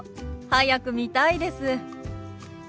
早く見たいです。